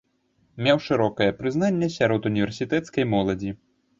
Меў шырокае прызнанне сярод універсітэцкай моладзі.